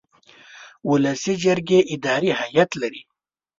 ولسي جرګې اداري هیئت لري.